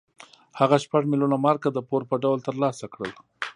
هغه شپږ میلیونه مارکه د پور په ډول ترلاسه کړل.